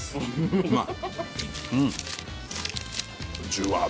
うまい？